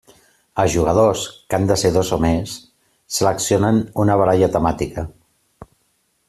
Els jugadors, que han de ser dos o més, seleccionen una baralla temàtica.